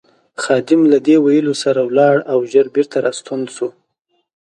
خادم له دې ویلو سره ولاړ او ژر بېرته راستون شو.